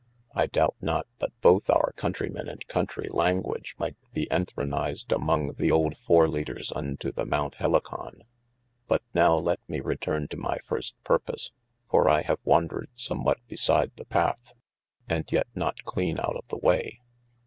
I doubt not but both our countreymen & countrie language might be entronised amonge the olde foreleaders unto the mount Helicon. But nowe let mee returne to my first purpose, for I have wandred somwhat beside the path, and yet not cleane out of the way.